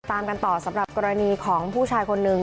ตามกันต่อสำหรับกรณีของผู้ชายคนหนึ่ง